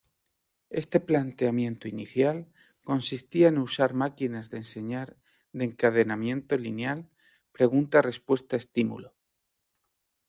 Este planteamiento inicial, consistía en usar máquinas de enseñar de encadenamiento lineal pregunta-respuesta-estímulo.